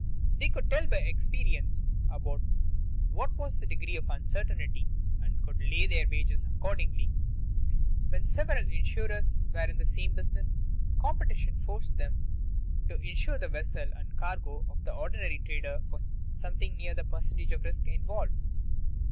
They could tell by experience about what was the degree of uncertainty, and could lay their wagers accordingly. When several insurers were in the same business, competition forced them to insure the vessel and cargo of the ordinary trader for something near the percentage of risk involved.